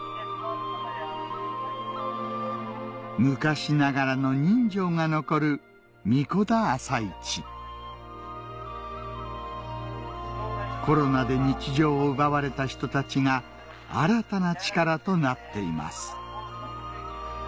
昔ながらの人情が残る神子田朝市コロナで日常を奪われた人たちが新たな力となっています